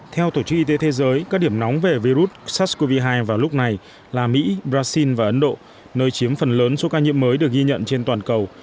theo tổ chức y tế thế giới các điểm nóng về virus sars cov hai vào lúc này là mỹ brazil và ấn độ nơi chiếm phần lớn số ca nhiễm mới được ghi nhận trên toàn cầu